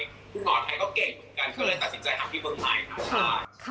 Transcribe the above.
คุณหมอไทยก็เก่งเหมือนกันก็เลยตัดสินใจทำที่กฎหมายครับ